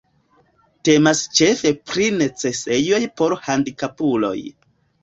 Temas ĉefe pri necesejoj por handikapuloj.